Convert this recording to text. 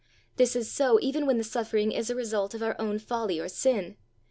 This is so even when the suffering is a result of our own folly or sin.